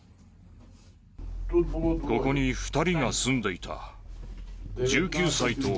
ここに２人が住んでいた。